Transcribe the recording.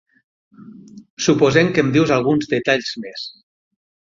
Suposem que em dius alguns detalls més.